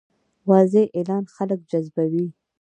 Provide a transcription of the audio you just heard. واضح اعلان خلک جذبوي.